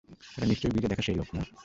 এটা নিশ্চয়ই ব্রিজে দেখা সেই লোক, না?